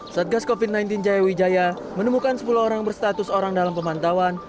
satgas covid sembilan belas jaya wijaya menemukan sepuluh orang berstatus orang dalam pemantauan